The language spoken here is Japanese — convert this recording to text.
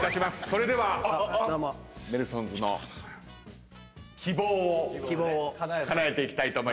それではネルソンズの希望をかなえていきたいと思います。